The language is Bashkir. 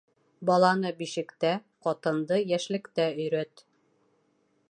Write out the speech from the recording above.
Баланы бишектә, ҡатынды йәшлектә өйрәт.